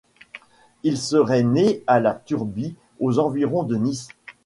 Il serait né à la Turbie aux environs de Nice.